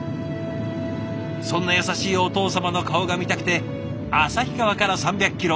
そんな優しいお父様の顔が見たくて旭川から３００キロ